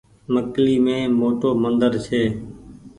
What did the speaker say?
مڪلي مين موٽو مندر ڇي۔